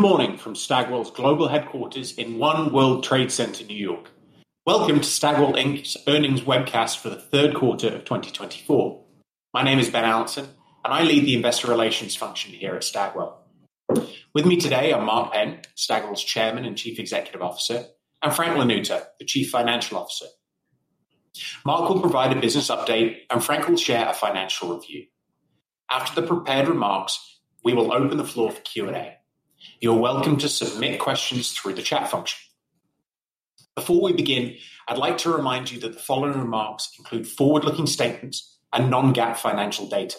Good morning from Stagwell's global headquarters in One World Trade Center, New York. Welcome to Stagwell Inc.'s earnings webcast for the third quarter of 2024. My name is Ben Allanson, and I lead the investor relations function here at Stagwell. With me today are Mark Penn, Stagwell's Chairman and Chief Executive Officer, and Frank Lanuto, the Chief Financial Officer. Mark will provide a business update, and Frank will share a financial review. After the prepared remarks, we will open the floor for Q&A. You're welcome to submit questions through the chat function. Before we begin, I'd like to remind you that the following remarks include forward-looking statements and Non-GAAP financial data.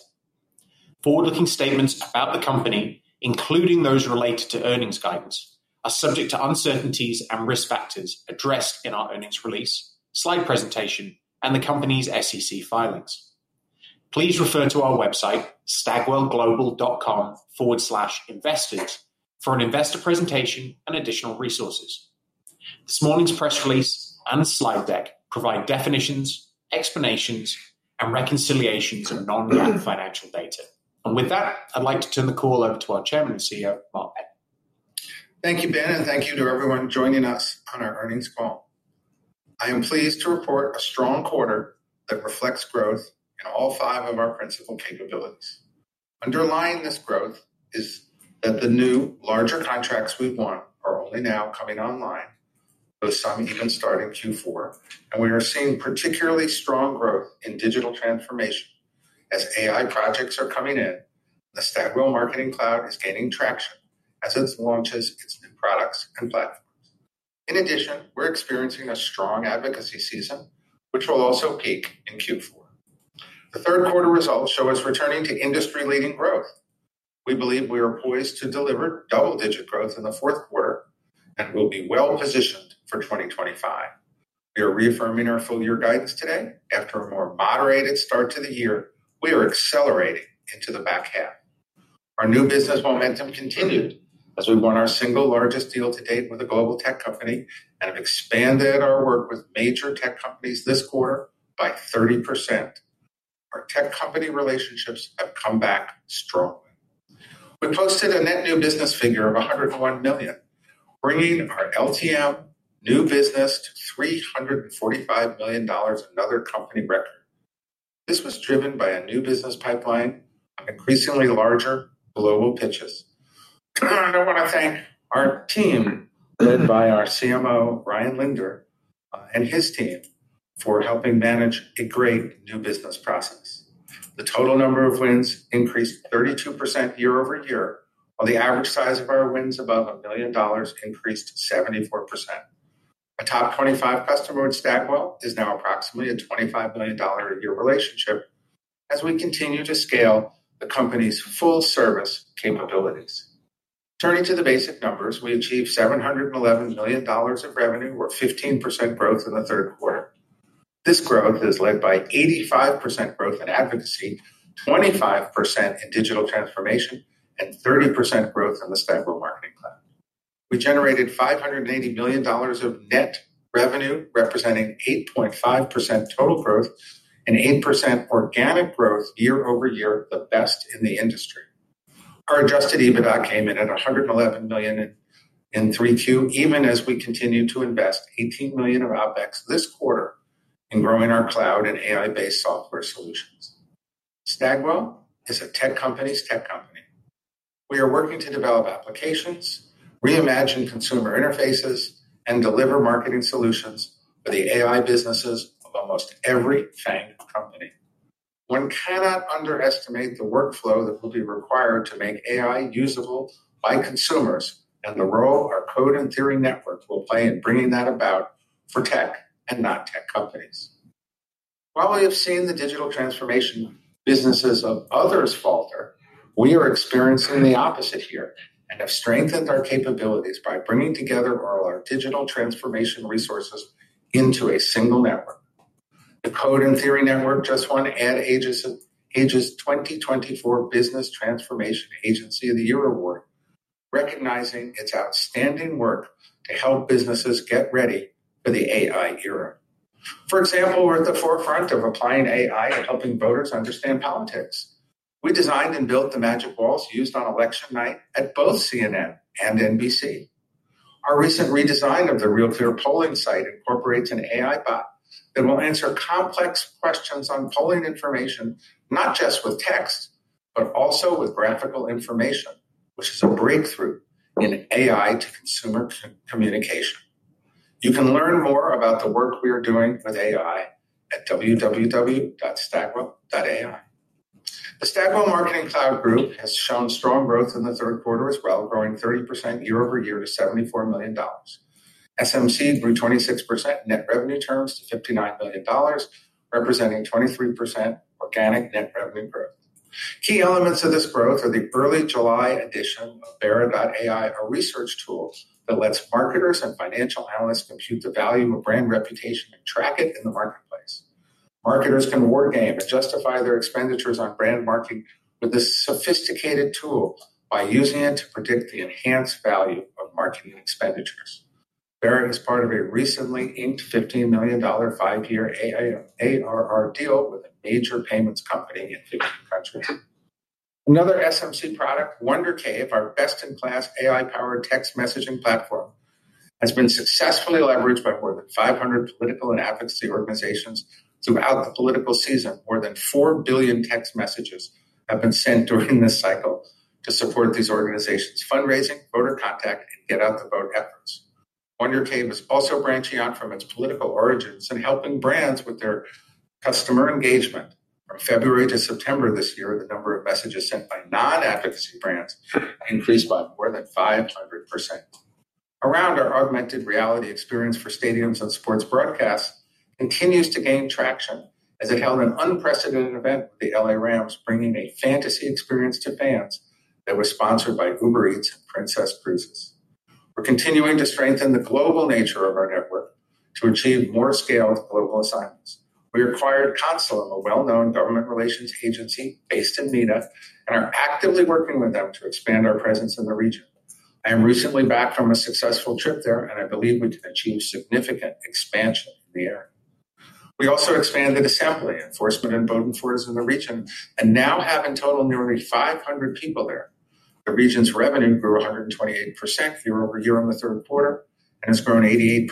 Forward-looking statements about the company, including those related to earnings guidance, are subject to uncertainties and risk factors addressed in our earnings release, slide presentation, and the company's SEC filings. Please refer to our website, stagwellglobal.com/investors, for an investor presentation and additional resources. This morning's press release and slide deck provide definitions, explanations, and reconciliations of non-GAAP financial data, and with that, I'd like to turn the call over to our Chairman and CEO, Mark Penn. Thank you, Ben, and thank you to everyone joining us on our earnings call. I am pleased to report a strong quarter that reflects growth in all five of our principal capabilities. Underlying this growth is that the new, larger contracts we've won are only now coming online, with some even starting Q4, and we are seeing particularly strong growth in digital transformation as AI projects are coming in. The Stagwell Marketing Cloud is gaining traction as it launches its new products and platforms. In addition, we're experiencing a strong advocacy season, which will also peak in Q4. The third quarter results show us returning to industry-leading growth. We believe we are poised to deliver double-digit growth in the fourth quarter and will be well positioned for 2025. We are reaffirming our full-year guidance today. After a more moderated start to the year, we are accelerating into the back half. Our new business momentum continued as we won our single largest deal to date with a global tech company and have expanded our work with major tech companies this quarter by 30%. Our tech company relationships have come back strong. We posted a net new business figure of $101 million, bringing our LTM new business to $345 million, another company record. This was driven by a new business pipeline and increasingly larger global pitches. I want to thank our team, led by our CMO, Ryan Linder, and his team for helping manage a great new business process. The total number of wins increased 32% year over year, while the average size of our wins above $1 million increased 74%. A top 25 customer in Stagwell is now approximately a $25 million a year relationship as we continue to scale the company's full-service capabilities. Turning to the basic numbers, we achieved $711 million of revenue, or 15% growth in the third quarter. This growth is led by 85% growth in advocacy, 25% in digital transformation, and 30% growth in the Stagwell Marketing Cloud. We generated $580 million of net revenue, representing 8.5% total growth and 8% organic growth year over year, the best in the industry. Our adjusted EBITDA came in at $111 million in Q3, even as we continue to invest $18 million of OpEx this quarter in growing our cloud and AI-based software solutions. Stagwell is a tech company's tech company. We are working to develop applications, reimagine consumer interfaces, and deliver marketing solutions for the AI businesses of almost every FAANG company. One cannot underestimate the workflow that will be required to make AI usable by consumers and the role our Code and Theory Network will play in bringing that about for tech and non-tech companies. While we have seen the digital transformation businesses of others falter, we are experiencing the opposite here and have strengthened our capabilities by bringing together all our digital transformation resources into a single network. The Code and Theory Network just won Ad Age's 2024 Business Transformation Agency of the Year award, recognizing its outstanding work to help businesses get ready for the AI era. For example, we're at the forefront of applying AI and helping voters understand politics. We designed and built the Magic Walls used on election night at both CNN and NBC. Our recent redesign of the RealClearPolling site incorporates an AI bot that will answer complex questions on polling information, not just with text, but also with graphical information, which is a breakthrough in AI to consumer communication. You can learn more about the work we are doing with AI at www.stagwell.ai. The Stagwell Marketing Cloud Group has shown strong growth in the third quarter as well, growing 30% year over year to $74 million. SMC grew 26% in net revenue terms to $59 million, representing 23% organic net revenue growth. Key elements of this growth are the early July addition of Vera.ai, our research tool that lets marketers and financial analysts compute the value of brand reputation and track it in the marketplace. Marketers can wargame and justify their expenditures on brand marketing with this sophisticated tool by using it to predict the enhanced value of marketing expenditures. Vera.ai is part of a recently inked $15 million five-year ARR deal with a major payments company in 50 countries. Another SMC product, WonderCave, our best-in-class AI-powered text messaging platform, has been successfully leveraged by more than 500 political and advocacy organizations throughout the political season. More than 4 billion text messages have been sent during this cycle to support these organizations' fundraising, voter contact, and get-out-the-vote efforts. WonderCave is also branching out from its political origins and helping brands with their customer engagement. From February to September this year, the number of messages sent by non-advocacy brands increased by more than 500%. ARound our augmented reality experience for stadiums and sports broadcasts continues to gain traction as it held an unprecedented event with the LA Rams, bringing a fantasy experience to fans that was sponsored by Uber Eats and Princess Cruises. We're continuing to strengthen the global nature of our network to achieve more scaled global assignments. We acquired Consulum, a well-known government relations agency based in MENA, and are actively working with them to expand our presence in the region. I am recently back from a successful trip there, and I believe we've achieved significant expansion in the area. We also expanded Assembly, Forsman & Bodenfors in the region and now have in total nearly 500 people there. The region's revenue grew 128% year over year in the third quarter and has grown 88%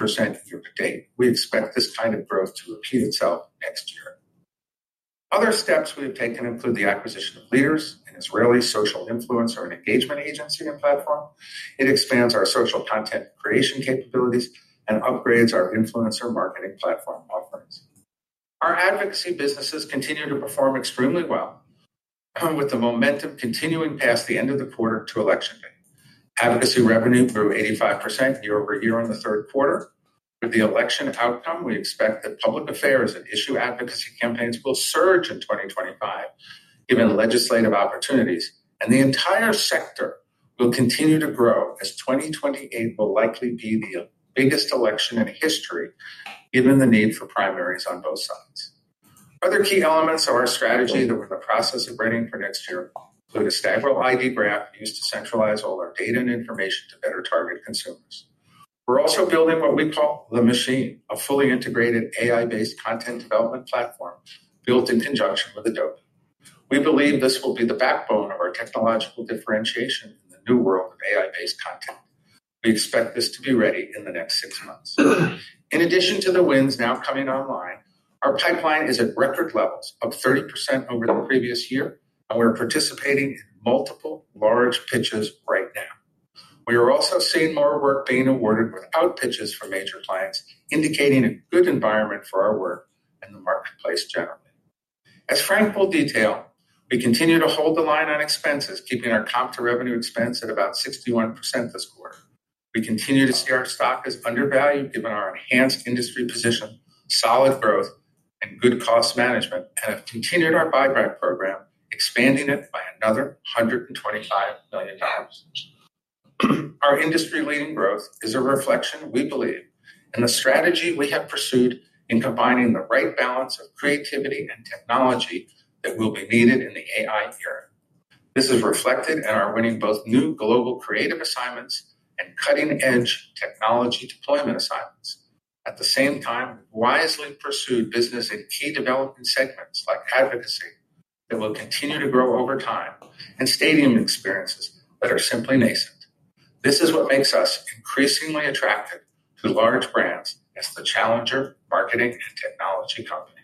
year to date. We expect this kind of growth to repeat itself next year. Other steps we have taken include the acquisition of Leaders, an Israeli social influencer and engagement agency and platform. It expands our social content creation capabilities and upgrades our influencer marketing platform offerings. Our advocacy businesses continue to perform extremely well, with the momentum continuing past the end of the quarter to election day. Advocacy revenue grew 85% year over year in the third quarter. With the election outcome, we expect that public affairs and issue advocacy campaigns will surge in 2025, given legislative opportunities, and the entire sector will continue to grow as 2028 will likely be the biggest election in history, given the need for primaries on both sides. Other key elements of our strategy that we're in the process of writing for next year include a Stagwell ID Graph used to centralize all our data and information to better target consumers. We're also building what we call the Machine, a fully integrated AI-based content development platform built in conjunction with Adobe. We believe this will be the backbone of our technological differentiation in the new world of AI-based content. We expect this to be ready in the next six months. In addition to the wins now coming online, our pipeline is at record levels of 30% over the previous year, and we're participating in multiple large pitches right now. We are also seeing more work being awarded without pitches for major clients, indicating a good environment for our work and the marketplace generally. As Frank will detail, we continue to hold the line on expenses, keeping our comp to revenue expense at about 61% this quarter. We continue to see our stock as undervalued, given our enhanced industry position, solid growth, and good cost management, and have continued our buyback program, expanding it by another $125 million. Our industry-leading growth is a reflection, we believe, in the strategy we have pursued in combining the right balance of creativity and technology that will be needed in the AI era. This is reflected in our winning both new global creative assignments and cutting-edge technology deployment assignments. At the same time, we wisely pursued business in key development segments like advocacy that will continue to grow over time and stadium experiences that are simply nascent. This is what makes us increasingly attractive to large brands as the challenger marketing and technology company.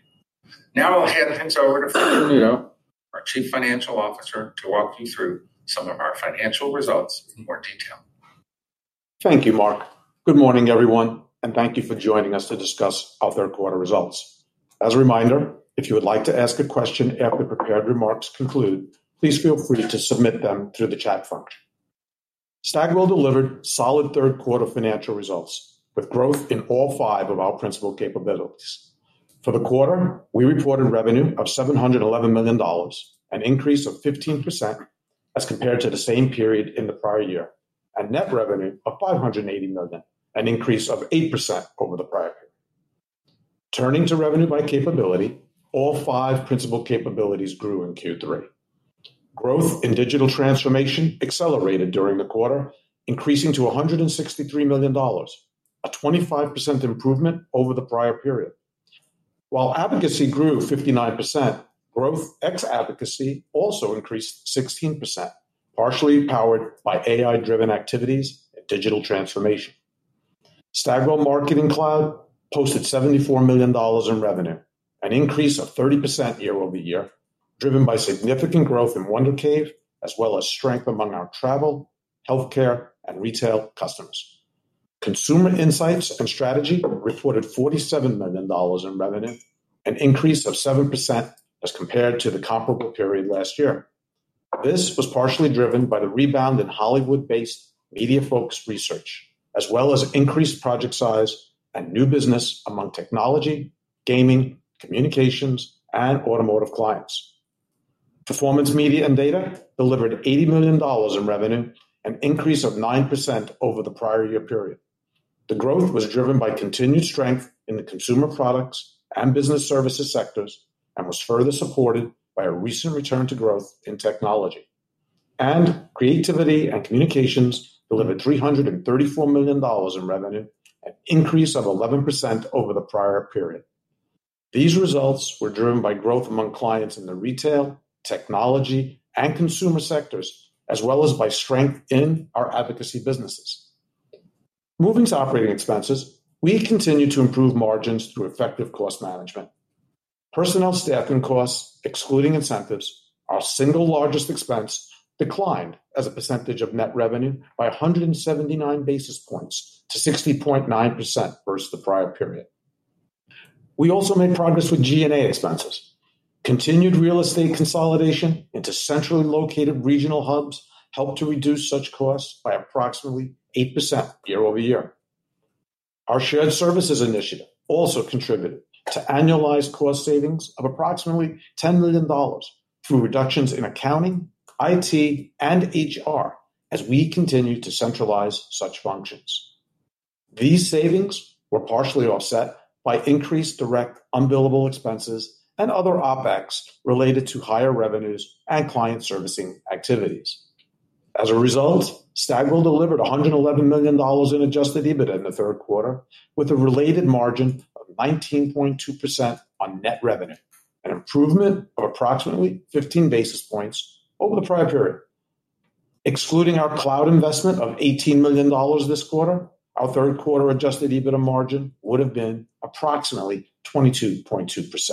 Now I'll hand things over to Frank Lanuto, our Chief Financial Officer, to walk you through some of our financial results in more detail. Thank you, Mark. Good morning, everyone, and thank you for joining us to discuss our third quarter results. As a reminder, if you would like to ask a question after the prepared remarks conclude, please feel free to submit them through the chat function. Stagwell delivered solid third quarter financial results with growth in all five of our principal capabilities. For the quarter, we reported revenue of $711 million, an increase of 15% as compared to the same period in the prior year, and net revenue of $580 million, an increase of 8% over the prior year. Turning to revenue by capability, all five principal capabilities grew in Q3. Growth in digital transformation accelerated during the quarter, increasing to $163 million, a 25% improvement over the prior period. While advocacy grew 59%, growth ex-advocacy also increased 16%, partially powered by AI-driven activities and digital transformation. Stagwell Marketing Cloud posted $74 million in revenue, an increase of 30% year over year, driven by significant growth in WonderCave, as well as strength among our travel, healthcare, and retail customers. Consumer insights and strategy reported $47 million in revenue, an increase of 7% as compared to the comparable period last year. This was partially driven by the rebound in Hollywood-based media-focused research, as well as increased project size and new business among technology, gaming, communications, and automotive clients. Performance media and data delivered $80 million in revenue, an increase of 9% over the prior year period. The growth was driven by continued strength in the consumer products and business services sectors and was further supported by a recent return to growth in technology. And creativity and communications delivered $334 million in revenue, an increase of 11% over the prior period. These results were driven by growth among clients in the retail, technology, and consumer sectors, as well as by strength in our advocacy businesses. Moving to operating expenses, we continue to improve margins through effective cost management. Personnel, staff, and costs, excluding incentives, our single largest expense, declined as a percentage of net revenue by 179 basis points to 60.9% versus the prior period. We also made progress with G&A expenses. Continued real estate consolidation into centrally located regional hubs helped to reduce such costs by approximately 8% year over year. Our shared services initiative also contributed to annualized cost savings of approximately $10 million through reductions in accounting, IT, and HR as we continue to centralize such functions. These savings were partially offset by increased direct unbillable expenses and other OpEx related to higher revenues and client servicing activities. As a result, Stagwell delivered $111 million in Adjusted EBITDA in the third quarter, with a related margin of 19.2% on net revenue, an improvement of approximately 15 basis points over the prior period. Excluding our cloud investment of $18 million this quarter, our third quarter Adjusted EBITDA margin would have been approximately 22.2%.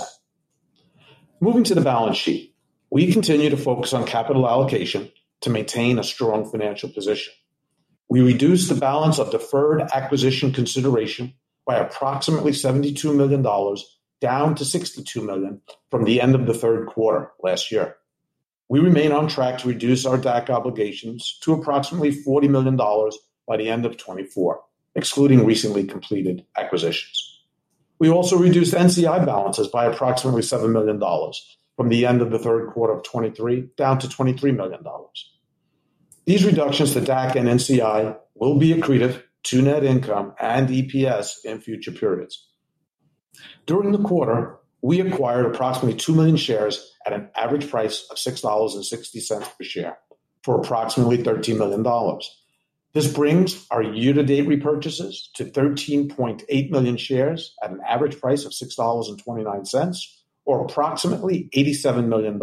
Moving to the balance sheet, we continue to focus on capital allocation to maintain a strong financial position. We reduced the balance of deferred acquisition consideration by approximately $72 million, down to $62 million from the end of the third quarter last year. We remain on track to reduce our DAC obligations to approximately $40 million by the end of 2024, excluding recently completed acquisitions. We also reduced NCI balances by approximately $7 million from the end of the third quarter of 2023, down to $23 million. These reductions to DAC and NCI will be accretive to net income and EPS in future periods. During the quarter, we acquired approximately 2 million shares at an average price of $6.60 per share for approximately $13 million. This brings our year-to-date repurchases to 13.8 million shares at an average price of $6.29, or approximately $87 million.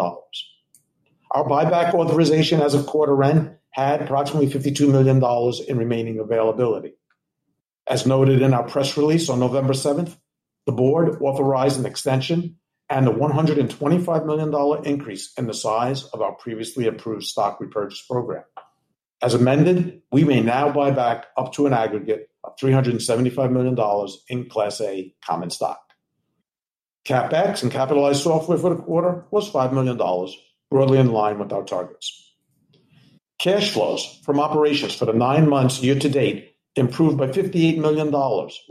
Our buyback authorization as of quarter end had approximately $52 million in remaining availability. As noted in our press release on November 7th, the board authorized an extension and a $125 million increase in the size of our previously approved stock repurchase program. As amended, we may now buy back up to an aggregate of $375 million in Class A common stock. CapEx and capitalized software for the quarter was $5 million, broadly in line with our targets. Cash flows from operations for the nine months year to date improved by $58 million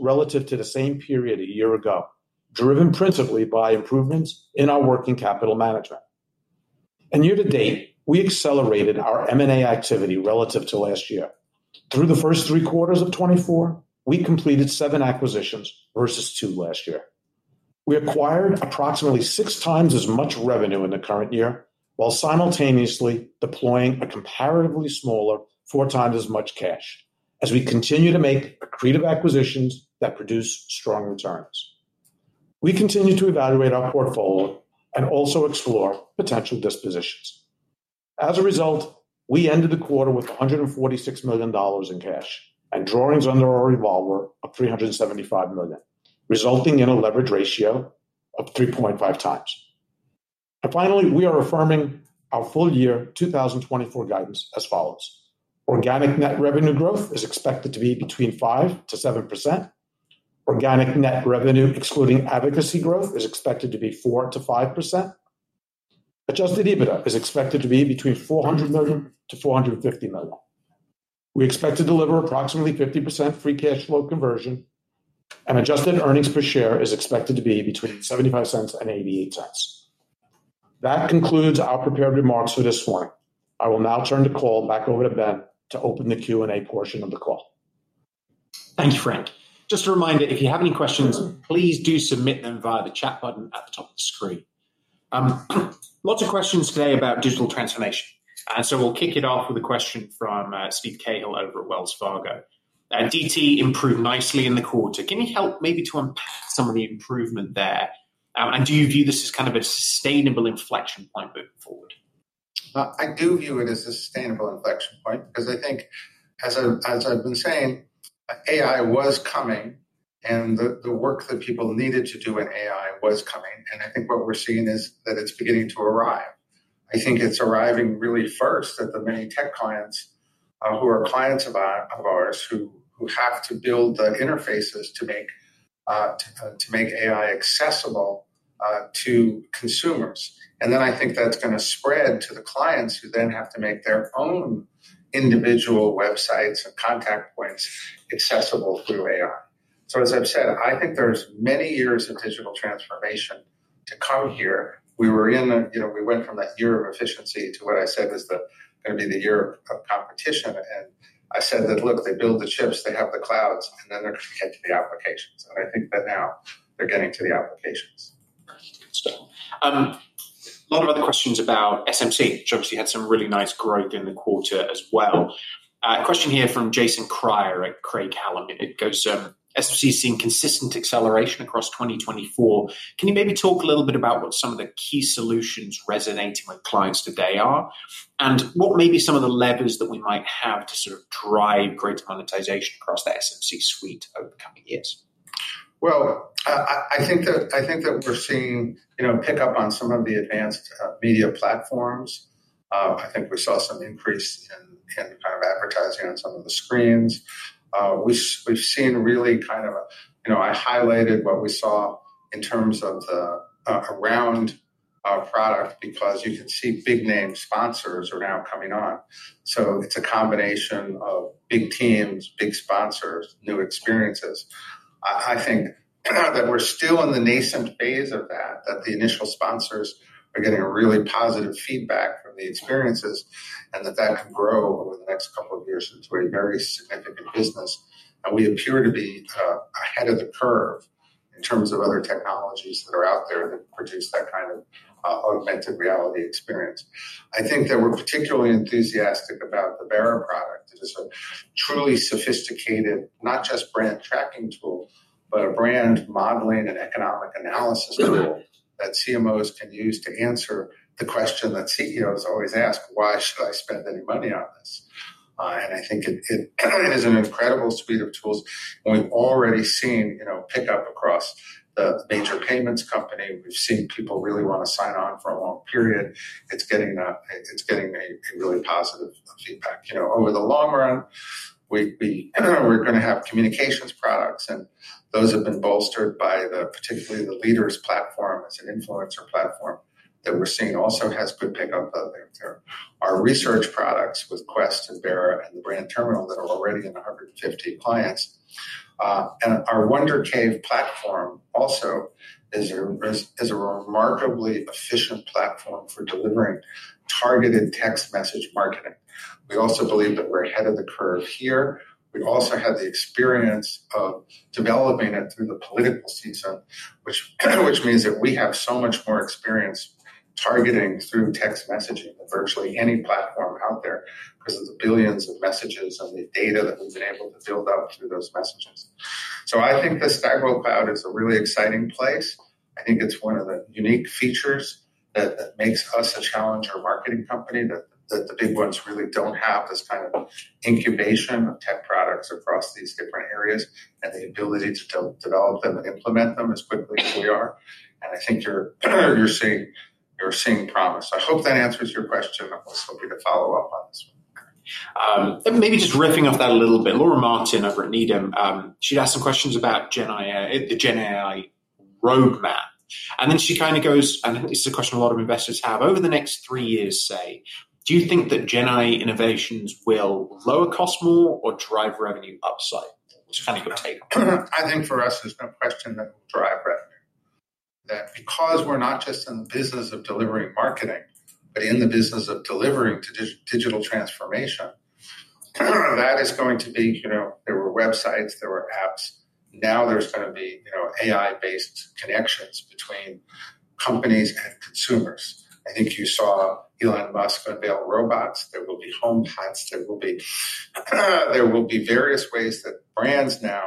relative to the same period a year ago, driven principally by improvements in our working capital management. And year to date, we accelerated our M&A activity relative to last year. Through the first three quarters of 2024, we completed seven acquisitions versus two last year. We acquired approximately six times as much revenue in the current year while simultaneously deploying a comparatively smaller four times as much cash, as we continue to make accretive acquisitions that produce strong returns. We continue to evaluate our portfolio and also explore potential dispositions. As a result, we ended the quarter with $146 million in cash and drawings under our revolver of $375 million, resulting in a leverage ratio of 3.5 times. Finally, we are affirming our full year 2024 guidance as follows. Organic net revenue growth is expected to be between 5%-7%. Organic net revenue, excluding advocacy growth, is expected to be 4%-5%. Adjusted EBITDA is expected to be between $400-$450 million. We expect to deliver approximately 50% free cash flow conversion, and adjusted earnings per share is expected to be between $0.75 and $0.88. That concludes our prepared remarks for this morning. I will now turn the call back over to Ben to open the Q&A portion of the call. Thank you, Frank. Just a reminder, if you have any questions, please do submit them via the chat button at the top of the screen. Lots of questions today about digital transformation. And so we'll kick it off with a question from Steve Cahill over at Wells Fargo. DT improved nicely in the quarter. Can you help maybe to unpack some of the improvement there? And do you view this as kind of a sustainable inflection point moving forward? I do view it as a sustainable inflection point because I think, as I've been saying, AI was coming and the work that people needed to do in AI was coming. And I think what we're seeing is that it's beginning to arrive. I think it's arriving really first at the many tech clients who are clients of ours who have to build the interfaces to make AI accessible to consumers. And then I think that's going to spread to the clients who then have to make their own individual websites and contact points accessible through AI. So as I've said, I think there's many years of digital transformation to come here. We were in a, you know, we went from that year of efficiency to what I said is going to be the year of competition. I said that, look, they build the chips, they have the clouds, and then they're going to get to the applications. I think that now they're getting to the applications. A lot of other questions about SMC. Obviously, you had some really nice growth in the quarter as well. A question here from Jason Kreyer at Craig-Hallam. It goes, "SMC has seen consistent acceleration across 2024. Can you maybe talk a little bit about what some of the key solutions resonating with clients today are? And what may be some of the levers that we might have to sort of drive greater monetization across the SMC suite over the coming years? I think that we're seeing pickup on some of the advanced media platforms. I think we saw some increase in kind of advertising on some of the screens. We've seen really kind of, you know, I highlighted what we saw in terms of the ARound product because you can see big name sponsors are now coming on. So it's a combination of big teams, big sponsors, new experiences. I think that we're still in the nascent phase of that, that the initial sponsors are getting really positive feedback from the experiences and that that can grow over the next couple of years into a very significant business. And we appear to be ahead of the curve in terms of other technologies that are out there that produce that kind of augmented reality experience. I think that we're particularly enthusiastic about the Vera.ai product. It is a truly sophisticated, not just brand tracking tool, but a brand modeling and economic analysis tool that CMOs can use to answer the question that CEOs always ask, why should I spend any money on this? And I think it is an incredible suite of tools. And we've already seen pickup across the major payments company. We've seen people really want to sign on for a long period. It's getting a really positive feedback. Over the long run, we're going to have communications products, and those have been bolstered by particularly the Leaders platform as an influencer platform that we're seeing also has good pickup. Our research products with Quest and Vera and the Brand Terminal that are already in 150 clients. And our WonderCave platform also is a remarkably efficient platform for delivering targeted text message marketing. We also believe that we're ahead of the curve here. We also have the experience of developing it through the political season, which means that we have so much more experience targeting through text messaging than virtually any platform out there because of the billions of messages and the data that we've been able to build up through those messages, so I think the Stagwell Cloud is a really exciting place. I think it's one of the unique features that makes us a challenger marketing company that the big ones really don't have this kind of incubation of tech products across these different areas and the ability to develop them and implement them as quickly as we are, and I think you're seeing promise. I hope that answers your question. I'll just hope you to follow up on this one. Maybe just riffing off that a little bit, Laura Martin over at Needham, she'd asked some questions about the GenAI roadmap. And then she kind of goes, and this is a question a lot of investors have, over the next three years, say, do you think that GenAI innovations will lower cost more or drive revenue upside? Just kind of your take. I think for us, it's a question that will drive revenue that because we're not just in the business of delivering marketing, but in the business of delivering digital transformation, that is going to be, you know, there were websites, there were apps. Now there's going to be AI-based connections between companies and consumers. I think you saw Elon Musk unveil robots. There will be HomePods. There will be various ways that brands now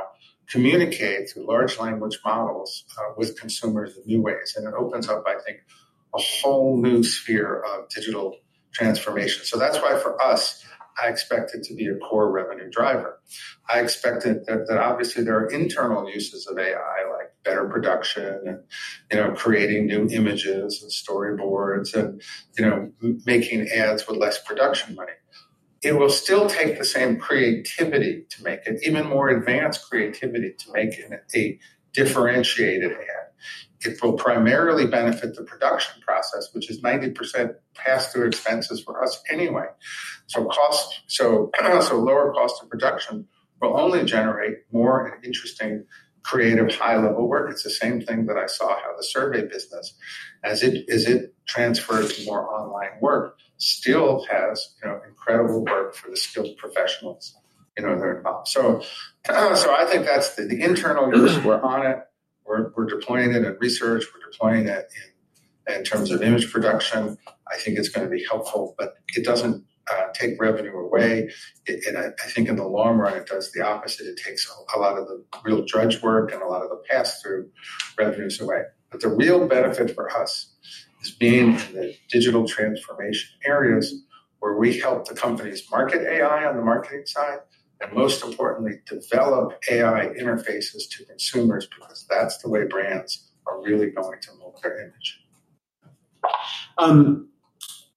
communicate through large language models with consumers in new ways, and it opens up, I think, a whole new sphere of digital transformation. So that's why for us, I expect it to be a core revenue driver. I expected that obviously there are internal uses of AI, like better production and creating new images and storyboards and making ads with less production money. It will still take the same creativity to make it, even more advanced creativity to make a differentiated ad. It will primarily benefit the production process, which is 90% pass-through expenses for us anyway. So lower cost of production will only generate more interesting creative high-level work. It's the same thing that I saw how the survey business, as it is transferred to more online work, still has incredible work for the skilled professionals that are involved. So I think that's the internal use. We're on it. We're deploying it in research. We're deploying it in terms of image production. I think it's going to be helpful, but it doesn't take revenue away. I think in the long run, it does the opposite. It takes a lot of the real drudge work and a lot of the pass-through revenues away. But the real benefit for us is being in the digital transformation areas where we help the companies market AI on the marketing side and most importantly, develop AI interfaces to consumers because that's the way brands are really going to mold their image.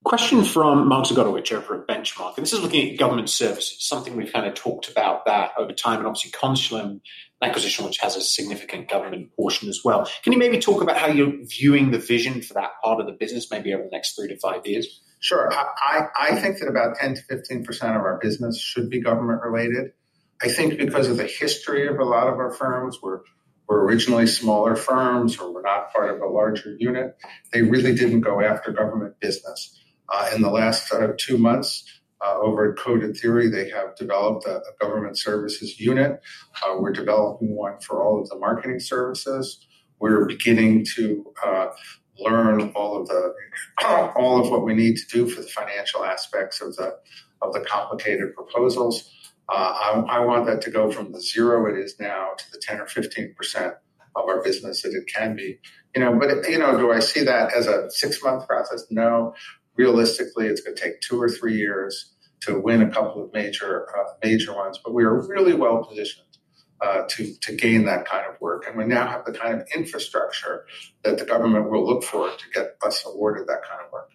Question from Mark Zgutowicz for Benchmark. This is looking at government services, something we've kind of talked about that over time and obviously Consulum acquisition, which has a significant government portion as well. Can you maybe talk about how you're viewing the vision for that part of the business maybe over the next three to five years? Sure. I think that about 10%-15% of our business should be government-related. I think because of the history of a lot of our firms, we're originally smaller firms or we're not part of a larger unit. They really didn't go after government business. In the last two months, over at Code and Theory, they have developed a government services unit. We're developing one for all of the marketing services. We're beginning to learn all of what we need to do for the financial aspects of the complicated proposals. I want that to go from the zero it is now to the 10% or 15% of our business that it can be, but do I see that as a six-month process? No. Realistically, it's going to take two or three years to win a couple of major ones, but we are really well positioned to gain that kind of work. We now have the kind of infrastructure that the government will look for to get us awarded that kind of work.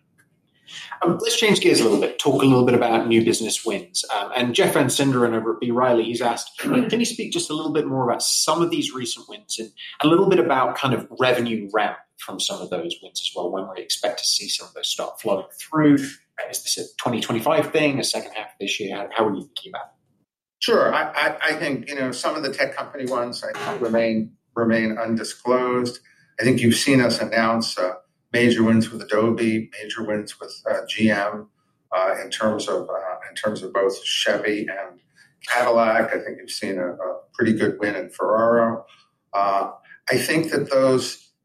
Let's change gears a little bit. Talk a little bit about new business wins. Jeff Van Sinderen over at B. Riley, he's asked, can you speak just a little bit more about some of these recent wins and a little bit about kind of revenue ramp from some of those wins as well? When we expect to see some of those start flowing through? Is this a 2025 thing, a second half of this year? How are you thinking about it? Sure. I think some of the tech company ones remain undisclosed. I think you've seen us announce major wins with Adobe, major wins with GM in terms of both Chevy and Cadillac. I think you've seen a pretty good win in Ferrara. I think that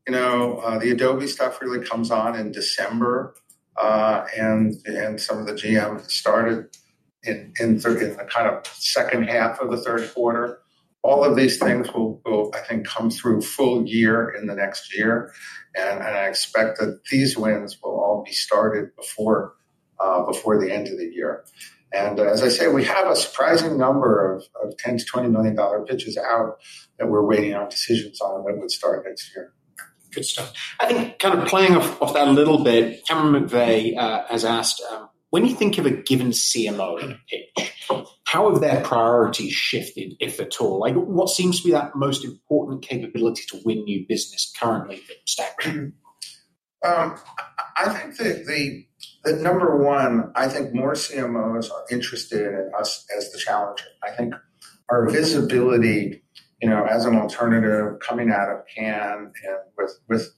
the Adobe stuff really comes on in December and some of the GM started in the kind of second half of the third quarter. All of these things will, I think, come through full year in the next year, and I expect that these wins will all be started before the end of the year, and as I say, we have a surprising number of $10-$20 million pitches out that we're waiting on decisions on that would start next year. Good stuff. I think kind of playing off that a little bit, Cameron McVeigh has asked, when you think of a given CMO pitch, how have their priorities shifted, if at all? What seems to be that most important capability to win new business currently for Stagwell? I think that number one, I think more CMOs are interested in us as the challenger. I think our visibility as an alternative coming out of Cannes and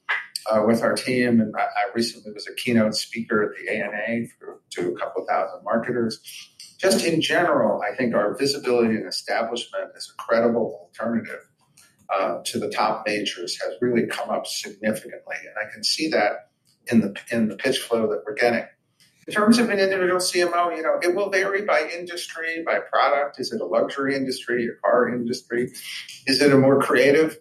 with our team, and I recently was a keynote speaker at the ANA to a couple of thousand marketers. Just in general, I think our visibility and establishment as a credible alternative to the top majors has really come up significantly, and I can see that in the pitch flow that we're getting. In terms of an individual CMO, it will vary by industry, by product. Is it a luxury industry, a car industry? Is it a more creative,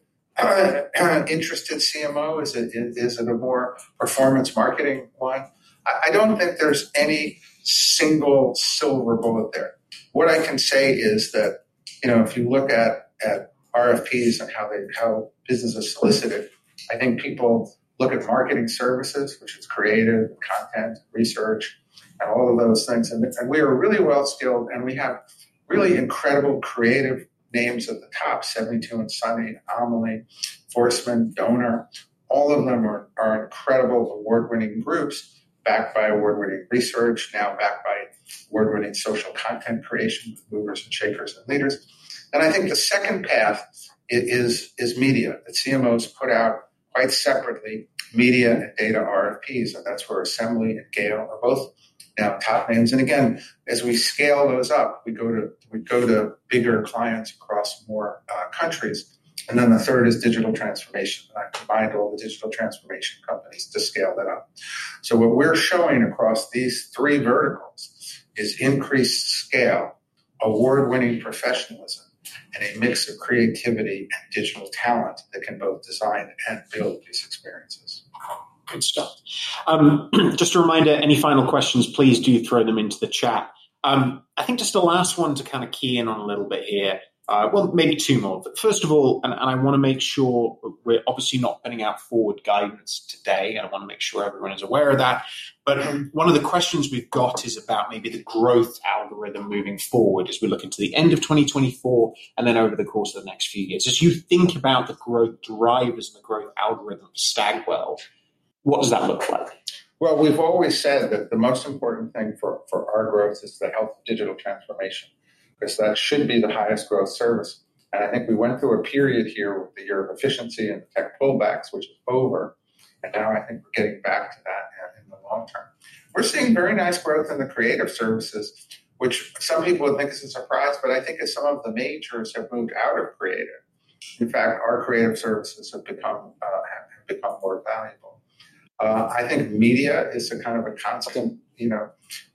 interested CMO? Is it a more performance marketing one? I don't think there's any single silver bullet there. What I can say is that if you look at RFPs and how business is solicited, I think people look at marketing services, which is creative content, research, and all of those things. And we are really well skilled and we have really incredible creative names at the top, 72andSunny, Anomaly, Forsman, Doner. All of them are incredible award-winning groups backed by award-winning research, now backed by award-winning social content creation with Movers+Shakers and Leaders. And I think the second path is media. The CMOs put out quite separately media and data RFPs. And that's where Assembly and Gale are both now top names. And again, as we scale those up, we go to bigger clients across more countries. And then the third is digital transformation. And I combined all the digital transformation companies to scale that up. So what we're showing across these three verticals is increased scale, award-winning professionalism, and a mix of creativity and digital talent that can both design and build these experiences. Good stuff. Just a reminder, any final questions, please do throw them into the chat. I think just the last one to kind of key in on a little bit here, well, maybe two more. But first of all, and I want to make sure we're obviously not putting out forward guidance today, and I want to make sure everyone is aware of that, but one of the questions we've got is about maybe the growth algorithm moving forward as we look into the end of 2024 and then over the course of the next few years. As you think about the growth drivers and the growth algorithm for Stagwell, what does that look like? We've always said that the most important thing for our growth is the health of digital transformation because that should be the highest growth service. I think we went through a period here with the year of efficiency and the tech pullbacks, which is over. Now I think we're getting back to that in the long term. We're seeing very nice growth in the creative services, which some people think is a surprise, but I think as some of the majors have moved out of creative, in fact, our creative services have become more valuable. I think media is a kind of a constant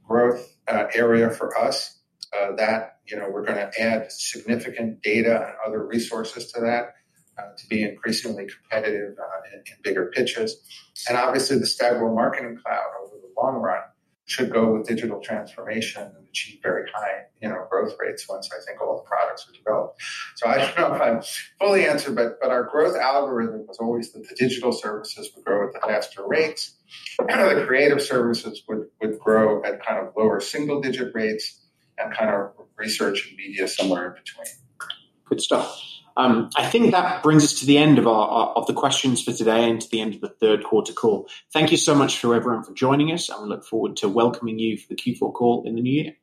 growth area for us that we're going to add significant data and other resources to that to be increasingly competitive in bigger pitches. Obviously, the Stagwell Marketing Cloud over the long run should go with digital transformation and achieve very high growth rates once I think all the products are developed. I don't know if I've fully answered, but our growth algorithm was always that the digital services would grow at the faster rates. The creative services would grow at kind of lower single-digit rates and kind of research and media somewhere in between. Good stuff. I think that brings us to the end of the questions for today and to the end of the third quarter call. Thank you so much for everyone for joining us. And we look forward to welcoming you for the Q4 call in the new year.